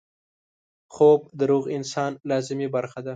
خوب د روغ انسان لازمي برخه ده